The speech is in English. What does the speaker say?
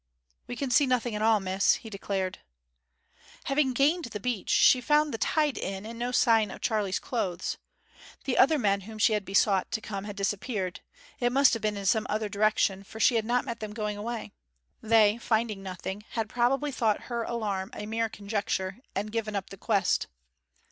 'We can see nothing at all, Miss,' he declared. Having gained the beach, she found the tide in, and no sign of Charley's clothes. The other men whom she had besought to come had disappeared, it must have been in some other direction, for she had not met them going away. They, finding nothing, had probably thought her alarm a mere conjecture, and given up the quest.